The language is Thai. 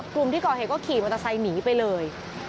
กลุ่มที่ก่อเหตุก็ขี่มอเตอร์ไซค์หนีไปเลย